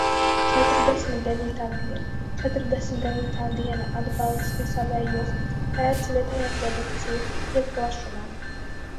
Četrdesmit devītā diena. Četrdesmit devītā diena Atbalsti savējos, pērc vietējo produkciju - iet plašumā.